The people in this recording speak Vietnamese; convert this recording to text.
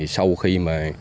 sau khi mà